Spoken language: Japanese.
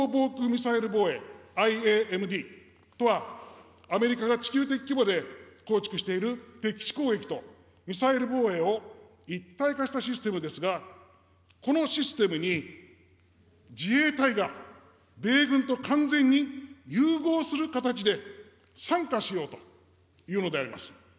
統合防空ミサイル防衛・ＩＡＭＤとはアメリカが地球的規模で構築している敵基地攻撃とミサイル防衛を一体化したシステムですが、このシステムに自衛隊が米軍と完全に融合する形で参加しようというのであります。